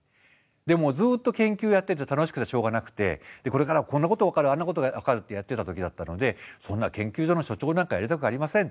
でもずっと研究やってて楽しくてしょうがなくてこれからこんなこと分かるあんなことが分かるってやってた時だったのでそんな研究所の所長なんかやりたくありません。